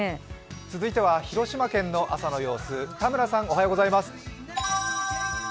続いては広島県の朝の様子、田村さん、おはようございます。